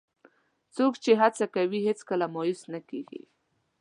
څوک چې هڅه کوي، هیڅکله مایوس نه کېږي.